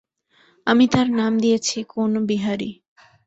আমি তার নাম দিয়েছি কোণবিহারী।